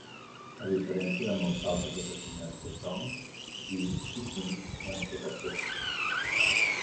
A diferència de molts altres assassinats de Tong, Gee i Sing van ser capturats.